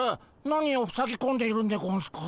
何をふさぎこんでいるんでゴンスか？